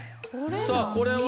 さぁこれは？